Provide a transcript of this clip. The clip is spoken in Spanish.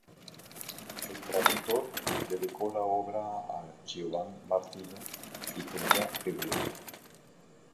El traductor dedicó la obra a Giovan Martino y tenía privilegio.